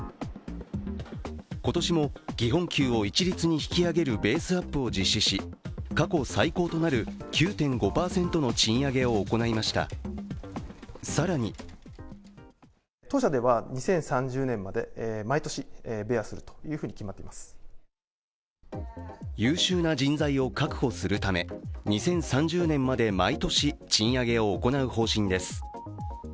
今年も基本給を一律に引き上げるベースアップを実施し、過去最高となる９．５％の賃上げを行いました、更に優秀な人材を確保するため２０３０年まで毎年、賃上げを行う方針です。